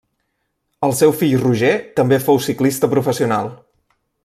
El seu fill Roger també fou ciclista professional.